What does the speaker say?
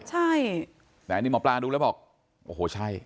ใช่แต่อันนี้หมอปลาดูแล้วบอกโอ้โหใช่